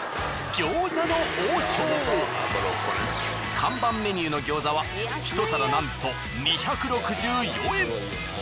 看板メニューの餃子は１皿なんと２６４円。